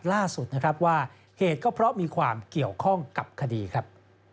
ล่าสุดนะครับว่าเหตุก็เพราะมีความเกี่ยวข้องกับคดีครับ